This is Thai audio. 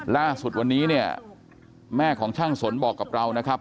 ล่าสุดวันนี้เนี่ยแม่ของช่างสนบอกกับเรานะครับ